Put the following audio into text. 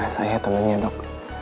saya temennya dok